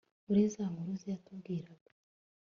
Muri za nkuru ze yatubwiraga